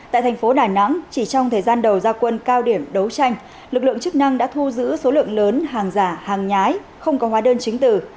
tại thành phố đà nẵng chỉ trong thời gian đầu gia quân cao điểm đấu tranh lực lượng chức năng đã thu giữ số lượng lớn hàng giả hàng nhái không có hóa đơn chứng tử